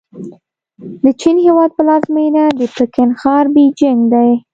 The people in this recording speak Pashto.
د چین هېواد پلازمېنه د پکن ښار بیجینګ دی.